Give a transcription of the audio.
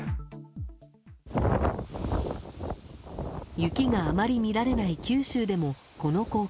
雪があまり見られない九州でもこの光景。